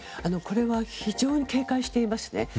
これは非常に警戒していますね。